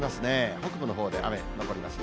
北部のほうで雨、残ります。